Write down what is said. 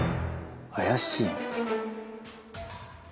怪しいな。